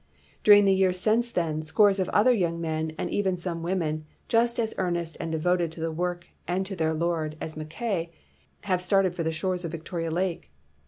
During the years since then, scores of other young men and even some women, just as earnest and devoted to the work and to their Lord as Mackay, have started for the shores of Victoria Lake.